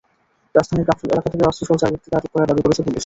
রাজধানীর কাফরুল এলাকা থেকে অস্ত্রসহ চার ব্যক্তিকে আটক করার দাবি করেছে পুলিশ।